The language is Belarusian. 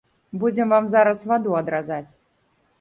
Будзем вам зараз ваду адразаць.